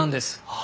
あ！